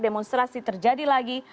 demonstrasi terjadi lagi